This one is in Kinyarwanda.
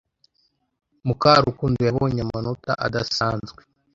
Mukarukundo yabonye amanota adasanzwe.